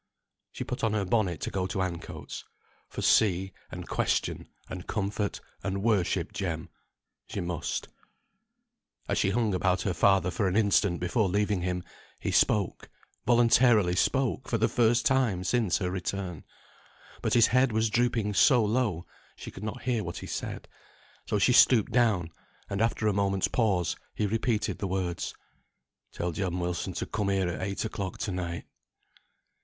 She put on her bonnet to go to Ancoats; for see, and question, and comfort, and worship Jem, she must. As she hung about her father for an instant before leaving him, he spoke voluntarily spoke for the first time since her return; but his head was drooping so low she could not hear what he said, so she stooped down; and after a moment's pause, he repeated the words, "Tell Jem Wilson to come here at eight o'clock to night."